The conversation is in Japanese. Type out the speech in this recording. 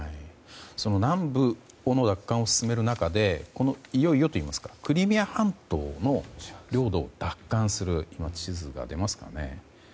その南部の奪還を進める中でいよいよといいますかクリミア半島の領土を奪還する。